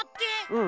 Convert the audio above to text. うん。